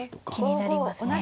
気になりますね。